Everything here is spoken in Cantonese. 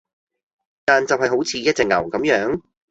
但就係好似一隻牛咁樣